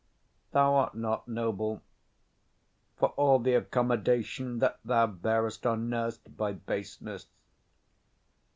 Thou art not noble; For all the accommodations that thou bear'st Are nursed by baseness.